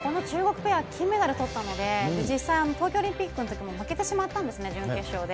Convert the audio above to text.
いや、もうこの中国ペア、金メダルとったので、実際、東京オリンピックのときも負けてしまったんですね、準決勝で。